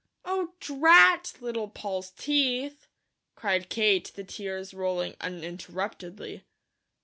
"Oh, DRAT Little Poll's teeth!" cried Kate, the tears rolling uninterruptedly.